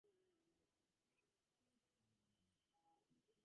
Caulkins is now an American-Australian dual citizen.